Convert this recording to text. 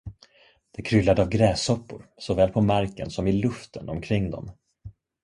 Det kryllade av gräshoppor såväl på marken som i luften omkring dem.